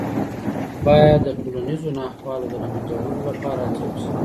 باید د ټولنیزو ناخوالو د له منځه وړلو لپاره هڅه وسي.